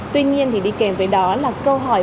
tuy nhiên thì đi kèm với đó là câu hỏi